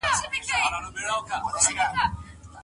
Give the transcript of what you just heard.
که ګونګی سړی ږیره ولري، ډېري مڼې به خوري.